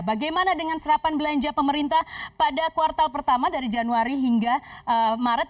bagaimana dengan serapan belanja pemerintah pada kuartal pertama dari januari hingga maret